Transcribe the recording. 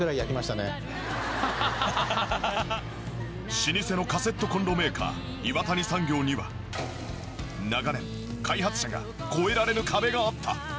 老舗のカセットコンロメーカー岩谷産業には長年開発者が越えられぬ壁があった。